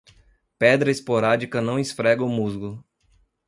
Pedra esporádica não esfrega o musgo.